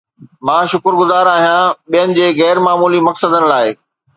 مان شڪرگذار آهيان ٻين جي غير معمولي مقصدن لاء